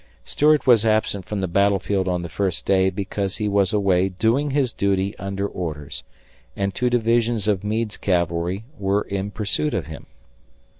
Stuart was absent from the battlefield on the first day because he was away doing his duty under orders, and two divisions of Meade's cavalry were in pursuit of him.